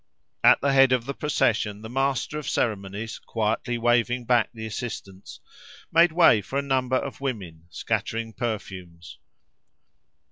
At the head of the procession, the master of ceremonies, quietly waving back the assistants, made way for a number of women, scattering perfumes.